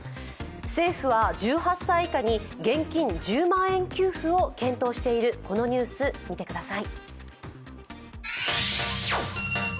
政府は１８歳以下に現金１０万円給付を検討している、このニュース見てください。